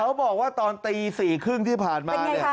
เขาบอกว่าตอนตี๔๓๐ที่ผ่านมา